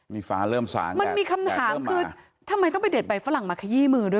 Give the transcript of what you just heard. มีฟ้าเริ่มสางมันมีคำถามคือทำไมต้องไปเด็ดใบฝรั่งมาขยี้มือด้วย